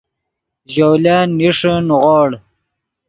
ژولن نیݰے نیغوڑ